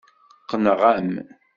Qqneɣ-am.